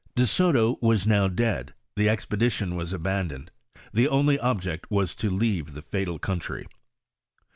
* De Soto was now dead, the expedition was abandoned, the only object was to leave the fatal country.